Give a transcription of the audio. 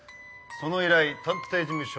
その依頼探偵事務所